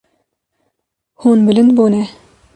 Hûn bilind bûne.